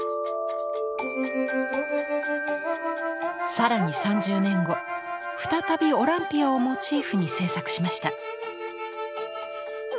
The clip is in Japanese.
更に３０年後再び「オランピア」をモチーフに制作しました。